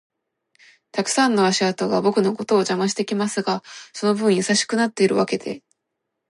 たくさんの足跡が僕のことを邪魔してきますが、その分優しくなってるわけで